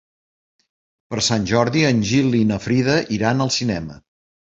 Per Sant Jordi en Gil i na Frida iran al cinema.